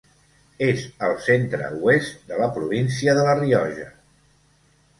És al centre-oest de la província de la Rioja.